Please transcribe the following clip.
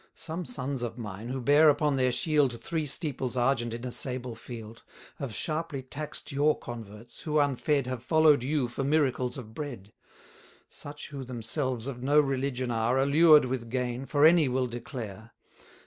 Some sons of mine, who bear upon their shield Three steeples argent in a sable field, Have sharply tax'd your converts, who unfed Have follow'd you for miracles of bread; Such who themselves of no religion are, Allured with gain, for any will declare.